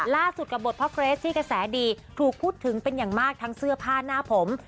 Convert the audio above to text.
ล่าสุดกับบทพ่อเกรสที่กระแสดีถูกพูดถึงเป็นอย่างมากทั้งเสื้อผ้าหน้าผม